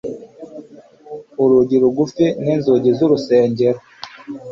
Urugi rugufi ninzugi zurusengero